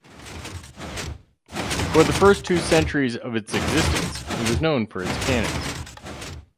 For the first two centuries of existence it was known for its cannons.